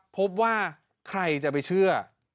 พบว่าใครจะไปเชื่อ